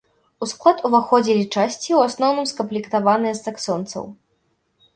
У склад уваходзілі часці, ў асноўным скамплектаваныя з саксонцаў.